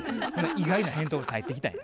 意外な返答が返ってきたんや。